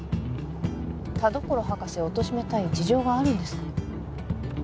田所博士をおとしめたい事情があるんですか？